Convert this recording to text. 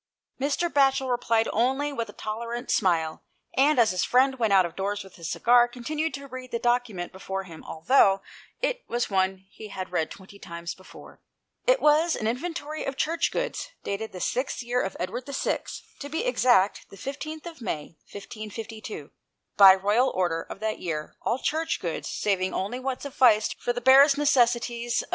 Mr. Batchel replied only with a tolerant smile, and, as his friend went out of doors with his cigar, continued to read the document before him, although it was one he had read twenty times before. It was an inventory of church goods, dated the 6th year of Edward VI. — to be exact, the 15th May, 1552. By a royal order of that year, all Church goods, saving only what sufficed for the barest necessities of 147 GHOST TALES.